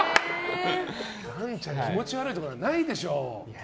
岩ちゃん気持ち悪いとか、ないでしょ。